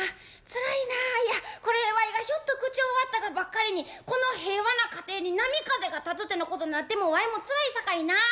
つらいないやこれわいがひょっと口を割ったがばっかりにこの平和な家庭に波風が立つてなことになってもわいもつらいさかいなあ